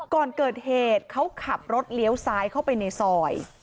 ก่อนเกิดเหตุเขาขับรถเลี้ยวซ้ายเข้าไปในซอย